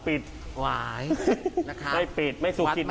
พี่บอกว่าบ้านทุกคนในที่นี่